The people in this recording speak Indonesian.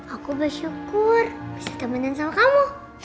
aku bersyukur bisa temenin sama kamu